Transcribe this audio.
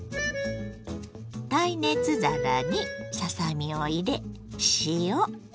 耐熱皿にささ身を入れ塩